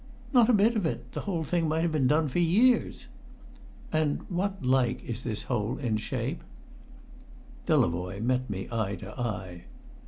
"Not a bit of it; the whole thing might have been done for years." "And what like is this hole in shape?" Delavoye met me eye to eye.